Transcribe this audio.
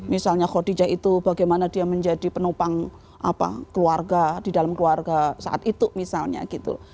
misalnya khadijah itu bagaimana dia menjadi penopang keluarga di dalam keluarga saat itu misalnya gitu